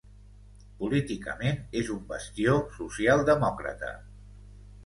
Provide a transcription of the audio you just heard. Políticament és un bastió social demòcrata.